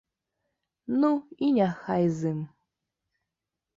Ну, і няхай з ім.